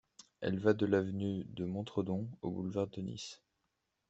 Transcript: Elle va de l'avenue de Montredon au boulevard de Nice.